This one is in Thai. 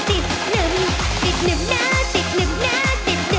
ติดนึกนะติดนึกนะติดนึกนะนะนะนะนะ